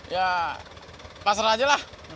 ya pasar aja lah